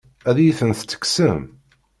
Ad iyi-tent-tekksem?